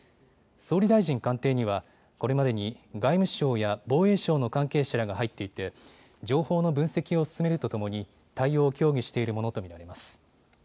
総理大臣官邸にはこれまでに外務省や防衛省の関係者らが入っていて情報の分析を進めるとともに対応を協議しているものと見られます。